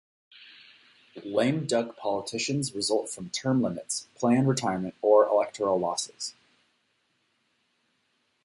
Lame duck politicians result from term limits, planned retirement, or electoral losses.